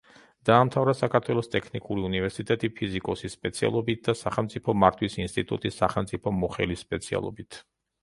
დაამთავრა საქართველოს ტექნიკური უნივერსიტეტი ფიზიკოსის სპეციალობით და სახელმწიფო მართვის ინსტიტუტი სახელმწიფო მოხელის სპეციალობით.